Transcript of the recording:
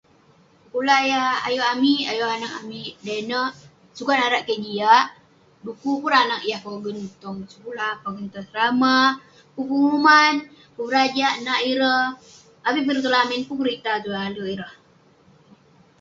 sekulah yah ayuk amik, ayuk anag amik da ineh, sukat narak kik jiak, dukuk pun ireh anag yah pogen tong sekulah, pogen tong asrama, pun penguman, pun berajak nak ireh avik peh ireh tong lamin, pun kerita tuai alek ireh